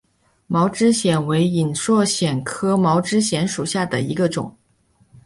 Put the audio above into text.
毛枝藓为隐蒴藓科毛枝藓属下的一个种。